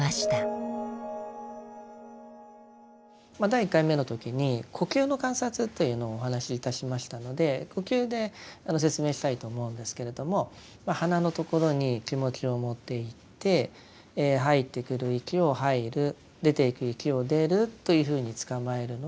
第１回目の時に呼吸の観察というのをお話しいたしましたので呼吸で説明したいと思うんですけれども鼻のところに気持ちを持っていって入ってくる息を入る出ていく息を出るというふうにつかまえるのが一番基本です。